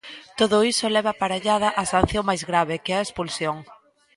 Todo iso leva aparellada a sanción máis grave, que é a expulsión.